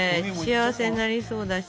幸せになりそうだし。